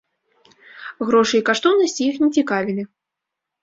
Грошы і каштоўнасці іх не цікавілі.